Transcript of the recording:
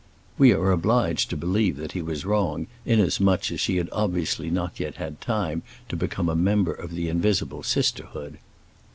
(We are obliged to believe that he was wrong, inasmuch as she had obviously not yet had time to become a member of the invisible sisterhood.)